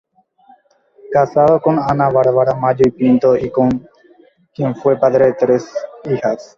Casado con Ana Bárbara Mayo y Pinto, con quien fue padre de tres hijas.